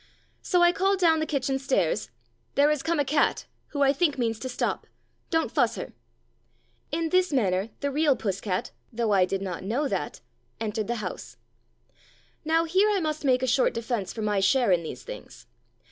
So I called down the kitchen stairs, "There is come a cat, who I think means to stop. Don't fuss her." In this manner the real Puss cat — though I did not know {fiat — entered the house. ; 3 2 "Puss cat" Now here I must make a short defence for my share in these things.